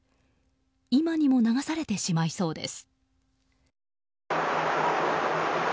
今にも流されてしまいそうです。